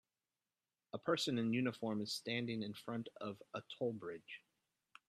A person in uniform is standing in front of a toll bridge